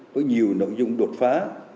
với nhiều nội dung đột phá